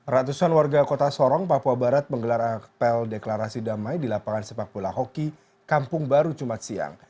ratusan warga kota sorong papua barat menggelar akpel deklarasi damai di lapangan sepak bola hoki kampung baru jumat siang